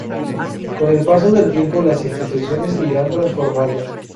Con el paso del tiempo la institución se iría transformando.